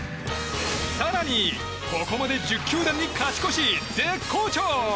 更に、ここまで１０球団に勝ち越し絶好調！